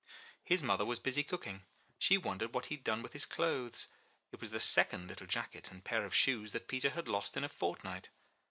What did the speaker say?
His mother was busy cooking; she wondered what he had done with his clothes. It was the second little jacket and pair of shoes that Petier had lost in a fortnight.